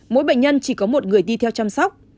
mỗi bệnh nhân chỉ có một người đi theo chăm sóc